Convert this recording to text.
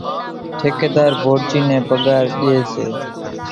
ٺڪيۮار ڀورچِي نين پڳار ڄيَ سي۔